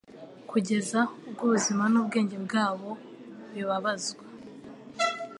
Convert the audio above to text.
kugeza ubwo ubuzima n’ubwenge bwabo bibabazwa